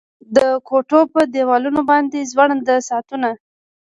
د کوټو په دیوالونو باندې ځوړند ساعتونه